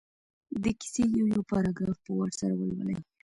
د کیسې یو یو پراګراف په وار سره ولولي.